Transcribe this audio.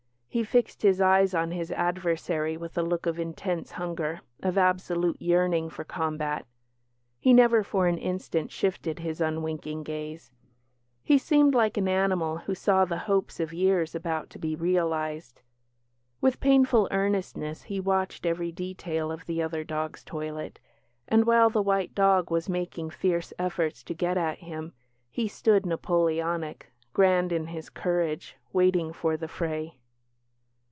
He fixed his eyes on his adversary with a look of intense hunger, of absolute yearning for combat. He never for an instant shifted his unwinking gaze. He seemed like an animal who saw the hopes of years about to be realised. With painful earnestness he watched every detail of the other dog's toilet; and while the white dog was making fierce efforts to get at him, he stood Napoleonic, grand in his courage, waiting for the fray.